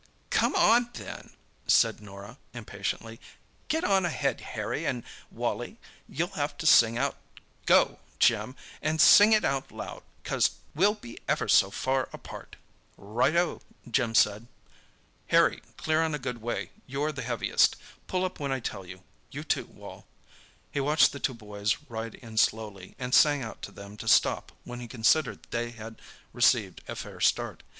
"Come on, then," said Norah, impatiently. "Get on ahead, Harry and Wally; you'll have to sing out 'Go!' Jim, and sing it out loud, 'cause we'll be ever so far apart." "Right oh!" Jim said. "Harry, clear on a good way; you're the heaviest. Pull up when I tell you; you too, Wal." He watched the two boys ride on slowly, and sang out to them to stop when he considered they had received a fair start.